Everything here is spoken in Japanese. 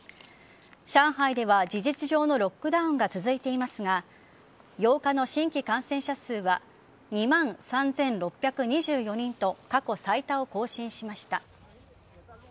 上海では事実上のロックダウンが続いていますが８日の新規感染者数は２万３６２４人と過去最多を更新しました。